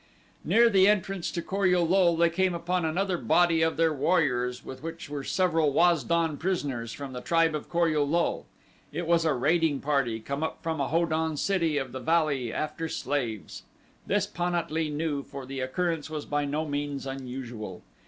Near the entrance to Kor ul lul they came upon another body of their warriors with which were several Waz don prisoners from the tribe of Kor ul lul. It was a raiding party come up from a Ho don city of the valley after slaves. This Pan at lee knew for the occurrence was by no means unusual.